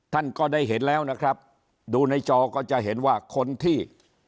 ท่านก็ได้เห็นแล้วนะครับดูในจอก็จะเห็นว่าคนที่